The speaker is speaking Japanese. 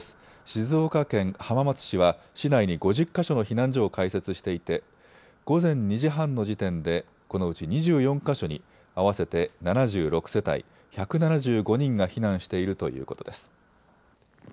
静岡県浜松市は市内に５０か所の避難所を開設していて午前２時半の時点でこのうち２４か所に合わせて７６世帯１７５人が避難しているということです。